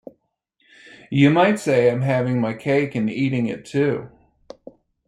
You might say I'm having my cake and eating it too.